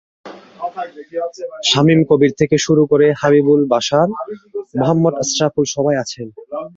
শামীম কবির থেকে শুরু করে হাবিবুল বাশার, মোহাম্মদ আশরাফুল সবাই আছেন।